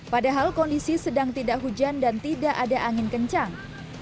padahal kondisi sedang tidak hujan dan tidak ada angin kencang